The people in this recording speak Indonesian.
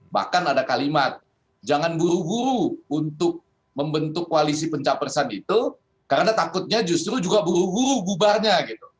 bahkan ada kalimat jangan buru buru untuk membentuk koalisi pencapresan itu karena takutnya justru juga buru buru bubarnya gitu